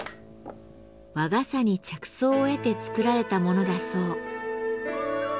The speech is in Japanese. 和傘に着想を得て作られたものだそう。